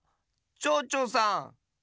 ちょうちょうさん！